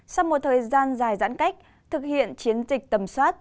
sau một thời gian dài giãn cách thực hiện chiến dịch tầm soát